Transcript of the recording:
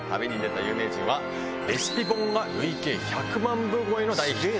有名人は、レシピ本が累計１００万部超えの大ヒット。